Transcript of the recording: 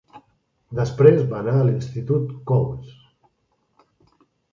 Després va anar a l'institut Cowes.